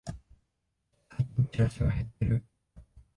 最近チラシが減ってる